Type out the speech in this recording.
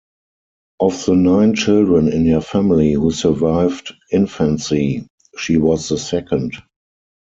Of the nine children in her family who survived infancy, she was the second.